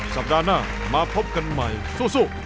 สัปดาห์หน้ามาพบกันใหม่สู้